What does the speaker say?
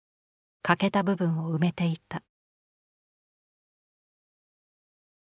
欠けた部分を埋めていた。